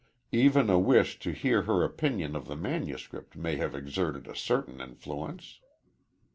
Even a wish to hear her opinion of the manuscript may have exerted a certain influence.